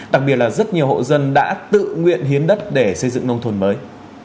đặc biệt là rất nhiều hộ dân đã tự nguyện hiến đất để xây dựng nông thôn mới